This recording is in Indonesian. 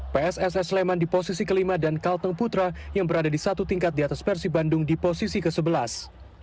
pss sleman di posisi kelima dan kalteng putra yang berada di satu tingkat di atas persib bandung di posisi ke sebelas